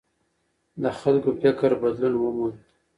د خلګو فکر بدلون وموند.